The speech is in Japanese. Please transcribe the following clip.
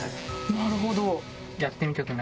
なるほど。